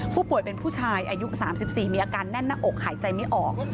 ผู้ป่วยเป็นผู้ชายอายุ๓๔มีอาการแน่นหน้าอกหายใจไม่ออก